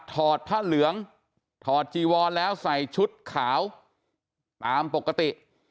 อดผ้าเหลืองถอดจีวอนแล้วใส่ชุดขาวตามปกติ